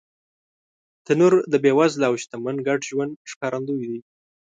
تنور د بېوزله او شتمن ګډ ژوند ښکارندوی دی